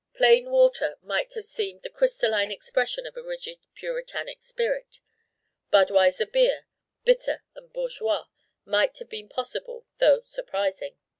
Plain water might have seemed the crystalline expression of a rigid puritanic spirit. Budweiser Beer, bitter and bourgeois, might have been possible though surprising.